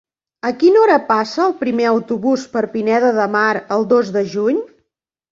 A quina hora passa el primer autobús per Pineda de Mar el dos de juny?